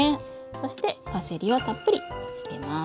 そしてパセリをたっぷり入れます。